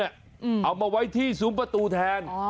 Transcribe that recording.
เอามาไว้ที่ซุ้มประตูแทน